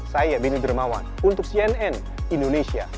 saya beni dermawan untuk cnn indonesia